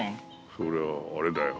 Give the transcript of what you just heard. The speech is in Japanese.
それは、あれだよ。